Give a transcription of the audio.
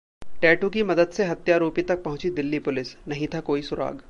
tattoo की मदद से हत्यारोपी तक पहुंची दिल्ली पुलिस, नहीं था कोई सुराग